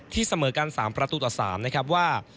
เสมอกัน๓ประตูต่อ๓นะครับว่า